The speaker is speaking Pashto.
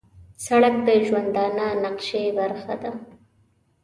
سړک د ژوندانه نقشې برخه ده.